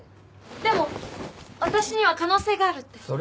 でも私には可能性があるって